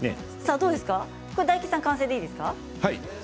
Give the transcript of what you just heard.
どうですか、大吉さん完成でいいですか？